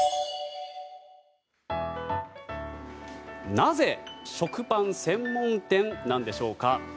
なぜ食パン専門店なんでしょうか。